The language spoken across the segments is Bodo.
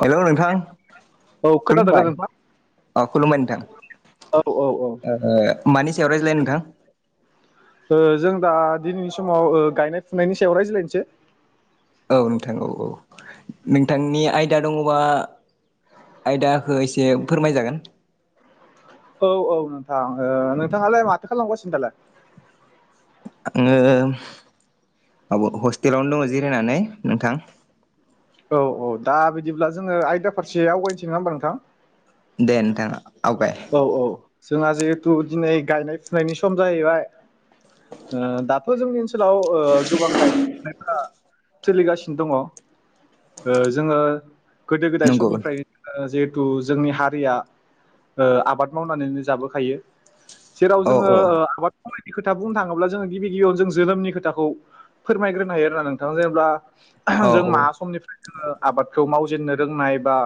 हेलौ नोंथां औ खोनादोंना खुलुमबाय नोंथां अ खुलुमबाय औ औ ओ नोंथां मानि सायाव रायज्लाय नोंथां। जों दा दिनैनि समाव गायनाय फुनायनि सायाव रायज्लायनोसै। औ नोंथां औ औ नोंथांनि आयदा दङबा आयदाखौ एसे फोरमायजागोन। औ औ नोंथां नोंथाङालाय माथो खालामगासिनो दालाय। आङो माब हस्टेलावनो दङ जिरायनानै नोंथां। औ औ दा बिदिब्ला जोङो आयदा फारसे आवगायनोसै, नङा होमबब्लाा नोंथां? दथ औ औ। जोंहा जिहेथु दिनै गायनाय फुनायनि सम जाहैबाय, दाथ' जोंनि नोलाव गोबां गायनाय फुनायफ्रा। सोलिगासिनो दङ जोङो। गोदो गोदाय नंगौ समनिफ्राय जिे जिु जोंनि हारिया। आबाद मावनानैनो जाबोखायो। जेराव औ जोङो औ आबादखौ बे खोथा बुंनो थाङोब्ला जोङो, गिबि गिबियाव जों जोनोमनि खोथखौ फोरमायग्रोनो हायो आरोना नोंथां, जेनेबा औ जों मा समनिफ्राय जोो आबादखौ मावजेननो रोंनाय बा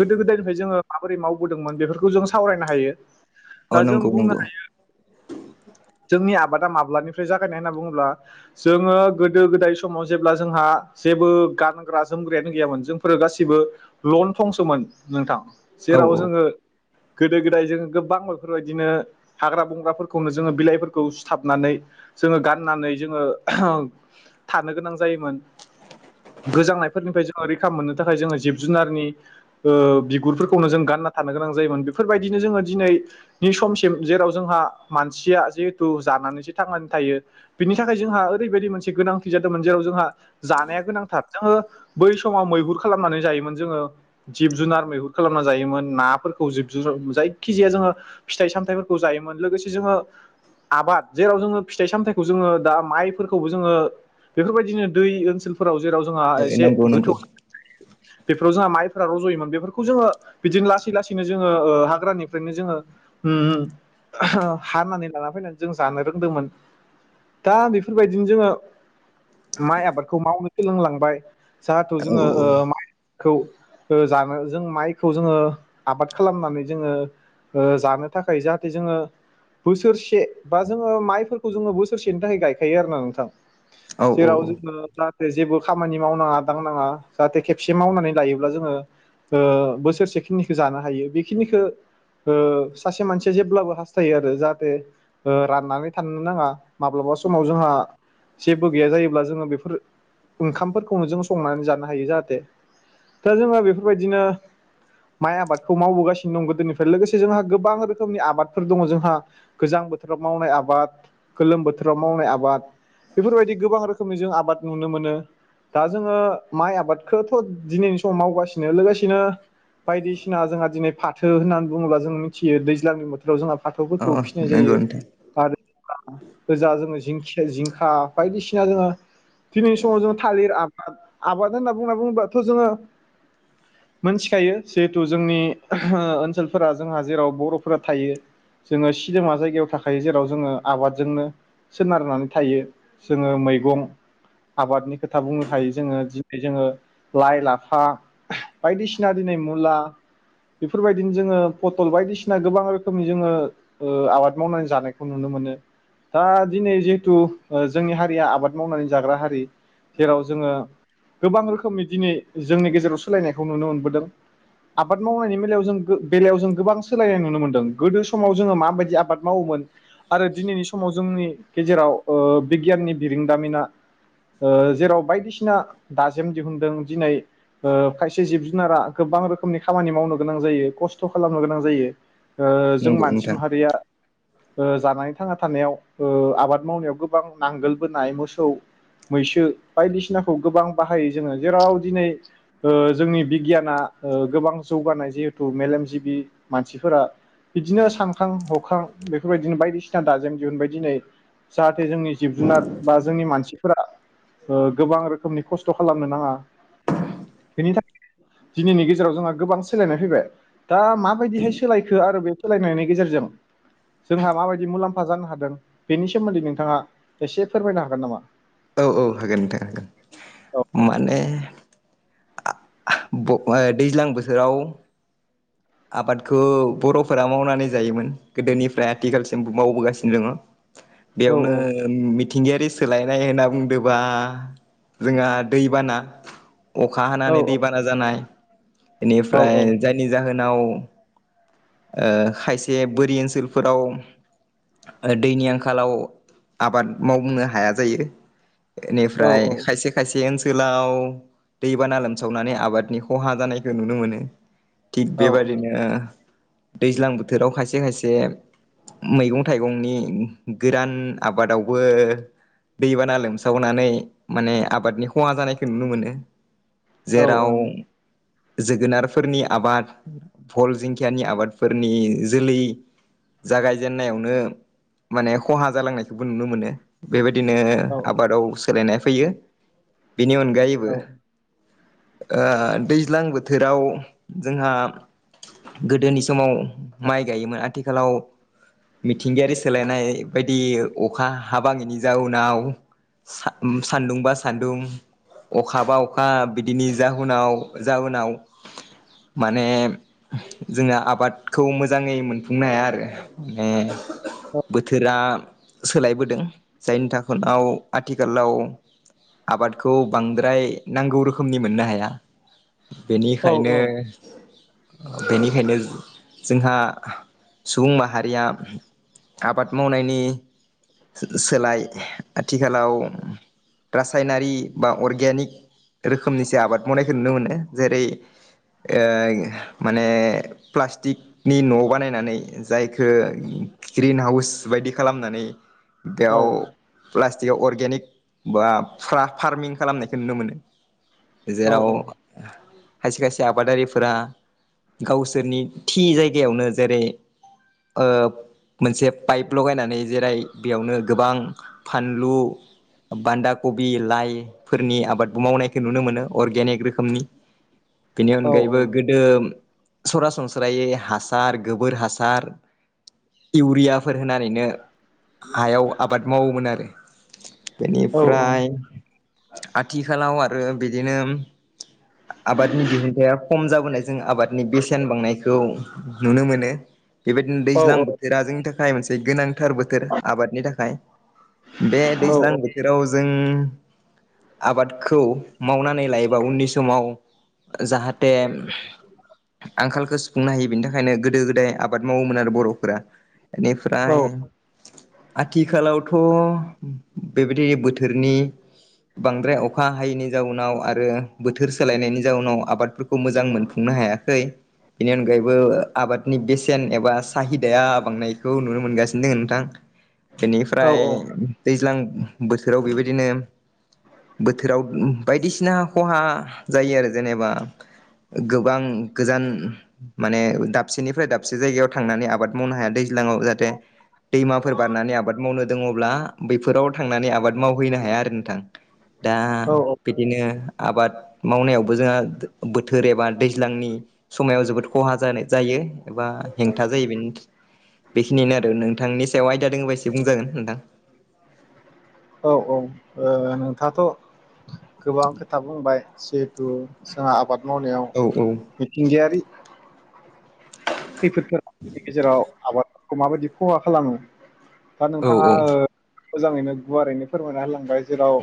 गोदो गोदायनिफ्राय जोङो माबोरै मावबोदोंमोन बेफोरखौ। खौ जों सावरायनो हायो। अ दा जों नंगौ बुंनो नंगौ‌। हायो जोंनि आबादा माब्लानिफ्राय जागायनाय होनना बुङोब्ला, जोङो गोदो गोदाय समाव जेब्ला जोंहा जेबो गानग्रा जोमग्रायानो गैयामोन जोंफोरो गासिबो लन थंसोमोन नोंथां। औ जेराव जोङो। गोदो गोदाय जोङो गोबां बेफोरबायदिनो हाग्रा बंग्राफोरखौनो जोङो बिलाइफोरखौ सुथाबनानै, जोङो गाननानै जोङो थानो गोनां जायोमोन। गोजांनायफोरनिफ्राय जोङो रैखा मोननो थाखाय जोङो जिब जुनारनि बिगुरफोरखौनो जों गानना थानो गोनां जायोमोन बेफोरबायदिनो जोङो दिनैनि समसिम जेराव जोंहा मानसिया जिहेथु जानानै थांनानै थायो, बिनि थाखाय जोंहा ओरैबायदि मोनसे गोनांथि जादोंमोन जेराव जोंहा जानाया गोनांथार जोङो बै समाव मैहुर खालामनानै जायोमोन जोङो जिब जुनार मैहुर खालामनानै जायोमोन ना। जायखि जाया जों फिथाइ सामथाइ जायोमोन लोगोसे जों आबाद जेराव जों फिथाइ सामथाय जों दा माइबो जों बेफोरबायदिनो दै नाव जेराव जोंहा औ एसे नंगौ गोथौ नंगौ बेफोराव जोंहा माइफोरा रज'योमोन बेफोरखौ जोङो बिदिनो लासै लासै नो जोङो हाग्रानिफ्रायनो जोङो हानानै लाना फैनानै जों जानो रोंदोंमोन दा बेफोरबायदिनो जोङो माइ आबादखौ मावनो सोलोंलांबाय जाहाथे औ जोङो माइखौ जानो जों माइखौ जोङो आबाद खालामनानै जोङो, जानो थाखाय जाहाथे जोङो बोसोरसे बा जोङो माइफोरखौ जोङो बोसोरसेनि थाखाय गायखायो आरोना नोंथां। औ औ जेराव जों जेबो खामानि मावनाङा दांनाङा जाहाथे खेबसे मावनानै लायोब्ला जोङो बोसोरसे खे बेिनिखौ जानो हायो, बेखिनिखौ सासे मानसिया जेब्लाबो हास्थायो आरो। जाहाथे राननानै थानो नाङा माब्लाबा समाव जोंहा जेबो गैया जायोब्ला जोङो बेफोर ओंखामफोरखौनो जों संनानै जानो हायो, जाहाथे दा जोङो बेफोरबायदिनो माइ आबादखौ मावबोगासिनो दं गोदोनिफ्राय लोगोसे जोंहा गोबां रोखोमनि आबादफोर दङ' जोंहा गोजां बोथोराव मावनाय आबाद, गोलोम बोथोराव मावनाय आबाद बेफोरबायदि गोबां रोखोमनि जों आबाद नुनो मोनो दा जोङो माइ आबादखौथ' दिनैनि समाव मावगासिनो लोगोसेनो बायदिसिना जोंहा दिनै फाथो होन्नानै बुङोब्ला जों मिथियो दैज्लांनि बोथोराव जोंहा फाथोखौ अ नोंगौ नोंथां। गोजा जोङो जिंखा बायदिसिना जोङो दिनैनि समाव जोङो थालिर आबाद आबाद होनना बुंना बुङोबाथ' जोङो मोनथिखायो। जिहेथु जोंनि ओनसोलफोरा जोंहा जेराव बर'फोरा थायो जोङो सिदोमा जायगायाव थाखायो जेराव जोङो आबादजोंनो सोनारनानै थायो जोङो मैगं आबादनि खोथा बुंनो हायो जोङो दिनै जोङो लाइ लाफा बायदिसिना दिनै मुला बेफोरबायदिनो जोङो पथल बायदिसिना गोबां रोखोमनि जोङो आबाद मावनानै जानायखौ नुनो मोनो। दा दिनै जिहेथु जोंनि हारिया आबाद मावनानै जाग्रा हारि जेराव जोङो गोबां रोखोमनि दिनै जोंनि गेजेराव सोलायनायखौ नुनो मोनबोदों। आबाद मावनायनि बेलायाव जों बेलायाव जों गोबां सोलायनाय नुनो मोनदों गोदो समाव जोङो माबायदि आबाद मावोमोन आरो दिनैनि समाव जोंनि गेजेराव बिगियाननि बिरोंदामिना जेराव बायदिसिना दाजेम दिहुनदों दिनै खायसे जिब जुनारा गोबां रोखोमनि खामानि मावनो गोनां जायो खस्थ' खालामनो गोनां जायो। ओ जों नंगौ मानसि नोंथां माहारिया ओ जानानै थांना थानायाव आबाद मावनायाव गोबां नांगोल बोनाय मोसौ मैसो बायदिसिनाखौ गोबां बाहायो जोङो जेराव दिनै जोंनि बिगियाना गोबां जौगानाय जिहेथु मेलेमजिबि मानसिफोरा बिदिनो सानखां हखां बेफोरबायदिनो बायदिसिना दाजेम दिहुनबाय दिनै जाहाथे जोंनि जिब जुनार बा जोंनि मानसिफोरा गोबां रोखोमनि खस्थ' खालामनो नाङा बेनि थाखाय दिनैनि गेजेराव जोंहा गोबां सोलायनाय फैबाय दा माबायदिहाय सोलायखो आरो बे सोलायनायनि गेजेरजों जोंहा माबायदि मुलाम्फा जानो हादों बेनि सोमोन्दै नोंथाङा एसे फोरमायनो हागोन नामा? औ औ हागोन नोंथां होगोन। औ माने आ ब दैज्लां बोथोराव आबादखौ बर'फोरा मावनानै जायोमोन गोदोनिफ्राय आथिखालसिम मावबोगासिनो दङ'। औ बेयावनो मिथिंगायारि सोलायनाय होनना बुंदोंबा जोंहा दैबाना अखा औ हानानै दैबाना जानाय औ बेनिफ्राय जायनि जाहोन आव खायसे बोरि ओनसोलफोराव दैनि आंखालाव आबाद मावबुंनो हाया जायो। औ इनिफ्राय खायसे खायसे ओनसोल ओनसोलाव दैबाना लोमसावनानै आबादनि खहा जानायखौ नुनो मोनो। थिग औ बेबायदिनो दैज्लां बोथोराव खायसे खायसे मैगं थाइगंनि गोदान आबादावबो दैबाना लोमसावनानै माने आबादनि खहा जानायखौ नुनो मोनो। जेराव जोगोनारफोरनि आबाद, भल जिंखियानि आबादफोरनि जोलै जागायजेननायावनो माने खहा जालांनायखौबो नुनो मोनो। बेबाय दिनो आबादाव सोलायनाय फैयो। बेनि अनगायैबो औ ओ दैज्लां बोथोराव जोंहा गोदोनि समाव माइ गायोमोन आथिखालाव मिथिंगायारि सोलायनाय बायदि अखा हाबाङिनि जाउनाव सान्दुं बा सान्दुं अखा बा अखा बिदिनि जाउनाव जाउनाव माने जो आबादखौ मोजाङै मोनफुंनो हाया आरो माने बोथोरा सोलायबोदों जायनि थाखनाव आथिखालाव आबादखौ बांद्राय नांगौ रोखोमनि मोननो हाया। बेनिखायनो बेनिखायनो जोंहा सुबुं माहारिया आबाद मावनायनि सोलाय आथिखालाव रासायनारि बा अर्गेनिक रोखोमनिसो आबाद मावनायखौ नुनो मोनो‌। जेरै ओ माने प्लास्टिकनि न' बानायनानै जायखौ ग्रिन हाउस बायदि खालामनानै बेयाव पास्त जेयाव अर्गेनिक बा फ्रा फार्मिं खालामनायखौ नुनो मोनो। जेराव खायसे खायसे जे आबादारिफोरा गावसोरनि थि जायगायावनो जेरै ओ मोनसे पाइप लगायनानै जेरै बेयावनो गोबां फानलु, बान्दा कबि, लाइफोरनि आबादबो मावनायखौ नुनो मोनो अर्गेनिक रोखोमनि। बेनि अनगायैबो गोदो सरासनस्रायै हासार गोबोर हासार इउरिया फोर होनानैनो हायाव आबाद मावोमोन आरो। बेनिफ्राय आथिखालाव आरो बिदिनो [unintelligible] दिहुन [inaudible] खम जाबोनाय जों आबादनि बेसेन बांनायखौ नुनो मोनो। बेबायदिनो दैज्लां बोथोरा जोंनि थाखाय मोनसे गोनांथार बोथोर आबादनि थाखाय। बे दैज्लां बोथोराव जों आबादखौ मावनानै लायोबा उननि समाव जाहाथे आंखाल खो सुफुंनो हायो बेनि थाखायनो गोदो गोदाय आबाद मावोमोन आरो बर'फोरा। एनिफ्राय आथिखालावथ'बेबायदि बोथोरनि बांद्राय अखा हायैनि जाउनाव आरो बोथोर सोलायनायनि जाउनाव आबादफोरखौ मोजां मोनफुंनो हायाखै। बेनि अनगायैबो आबादनि बेसेन एबा साहिदाया बांनायखौ नुनो मोनगासिनो दोङो नोंथां। बेनिफ्राय दैज्लां बोथोराव बेबायदिनो बोथोराव बायदिसिना खहा जायो आरो। जेनेबा गोबां गोजान माने दाबसेनिफ्राय दाबसे जायगायाव थांनानै आबाद मावनो हाया दैज्लाङाव जाहाथे दैमाफोर बारनानै आबाद मावनो दङ'ब्ला बैफोराव थांनानै आबाद मावहैनो हाया आरो नोंथां। दा औ बिदिनो आबाद मावनायाव बो जोंहा बोथोर एबा दैज्लांनि समायाव जोबोद खहा जानाय जायो एबा हेंथा जायो। बेनो बेखिनिनो आरो। नोंथांनि सायाव आयदा दोङोबा एसे बुंजागोन नोंथां। औ ओ नोंथाङाथ' गोबां खोथा बुंबाय जिहेथु जोंहा आबाद मावनायाव औ औ मिथिंगायारि खैफोदफोरा गेजेराव आबाद खौ माबायदि खहा खालामो। दा औ नोंथाङा औ ओ मोजाङैनो गुवारैनो फोरमायना होलांबाय जेराव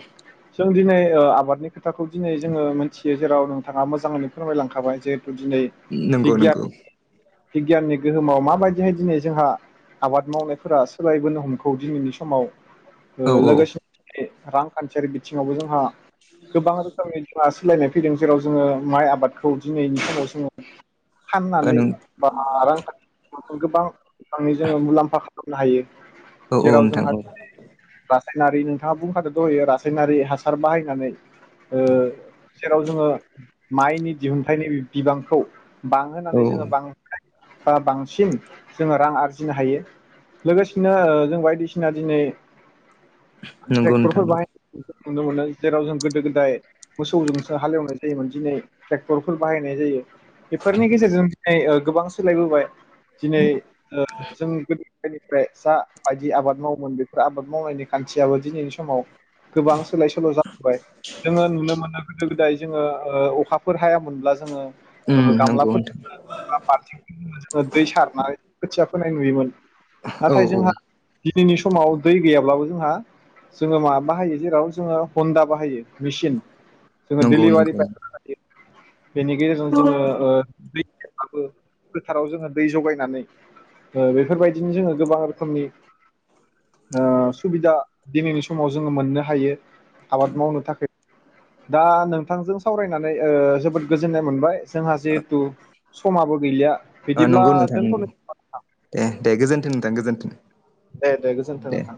जों दिनै ओ आबादनि खोथाखौ दिनै जोङो मोन्थियो जेराव नोंथाङा मोजाङैनो फोरमायलांखाबाय जे नोंगौ नोंगौ। बिगियाननि गोहोमाव माबायदिहाय दिनै जोंहा आबाद मावनायफोरा सोलायबोनो हमगौ दिनैनि समाव औ औ लोगोसे [unintelligible] रांखान्थियारि बिथिङावबो जोंहा गोबां रोखोमनि जोंहा सोलायनाय फैदों जेराव जोङो माइ आबाद खौ दिनैनि समाव समाव [unintelligible] ओ फाननानै नों [unintelligible] रांखान्थिनि [unintelligible] जोङो मुलाम्फा खालामनो हायो। औ औ जेराव नोंथां। जोंहा रासायनारि नोंथाङा बुंखादो द' होयो रासायनारि हासार बाहायनानै ओ जेराव जोङो माइनि दिहुनथाइनि बिबांखौ बां औ होनानै जोङो बां होन बा बांसिन जोङो रां आरजिनो हायो लोगोसेनो जों बायदिसिना दिनै नंगौ नोंथां ट्रेक्टरफोर बाहा [unintelligible] [unintelligible] मोनो जेराव जों गोदो गोदाय मोसौजोंसो हालेवनाय जायोमोन दिनै ट्रेक्टरफोर बाहायनाय जायो बेफोरनि गेजेरजों [unintelligible] गोबां सोलायबोबाय दिनै ओ जों गोदो [unintelligible] [unintelligible] आबाद माव मोन [unintelligible] [unintelligible] आबाद मावनायनि खान्थियाबो दिनैनि समाव गोबां सोलाय सोल' जाबोबाय जोङो नुनो मोनो गोदो गोदाय जोङो ओ अखा बेफोर हायोनब्ला जोङो उम ओ खामला नंगौ नोंथां फोरजों दै सारनानैखोथिया [unintelligible] [unintelligible] नुयोमोन। औ नाथाय औ जोंहा दिनैनि समाव दै गैयाब्लाबो जोंहा जोङो मा बाहायो जेराव जोङो हन्दा बाहायो मेसिन। जोंङो नंगौ दिलीबारि नंगौ पाइप [unintelligible] बेनि गेजेरजों जोङो ओ फथाराव जोङो दै जगायनानै बेफोरबायदिनो जोङो गोबां रोखोमनि सुबिदा दिनैनि समाव जोङो मोननो हायो। आबाद मावनो थाखाय दा नोंथांजों सावरायनानै जोबोद गोजोननाय मोनबाय। जोंहा जेहुथु समाबो गैलिया अ बिदिब्ला नंगौ नोंथां नंगौ दोनथ'नो दे दे गोजोनथों नोंथां गोजोनथों। दे दे गोजोनथों नोंथां।